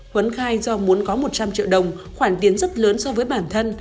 huấn khai do muốn có một trăm linh triệu đồng khoản tiền rất lớn so với bản thân